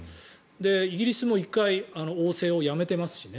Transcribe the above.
イギリスも１回王政をやめてますしね。